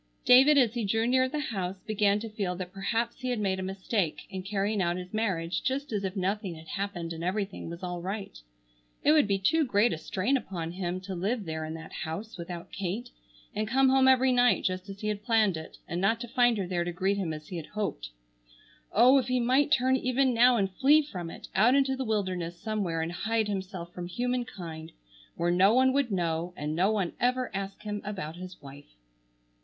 David as he drew near the house began to feel that perhaps he had made a mistake in carrying out his marriage just as if nothing had happened and everything was all right. It would be too great a strain upon him to live there in that house without Kate, and come home every night just as he had planned it, and not to find her there to greet him as he had hoped. Oh, if he might turn even now and flee from it, out into the wilderness somewhere and hide himself from human kind, where no one would know, and no one ever ask him about his wife!